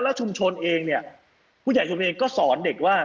แล้วชุมชนเองเนี่ยผู้ใหญ่ชุมเองก็สอนเด็กว่า